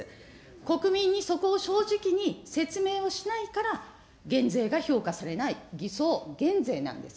国民にそこを正直に説明をしないから、減税が評価されない、偽装減税なんです。